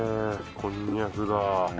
こんにゃくだ。